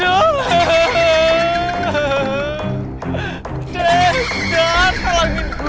jangan jangan tolongin gue